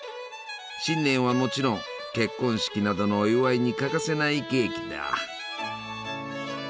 新年はもちろん結婚式などのお祝いに欠かせないケーキだ。